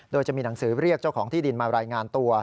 โดยจะมีหนังสือเรียกเจ้าของที่ดินมารายงานตัว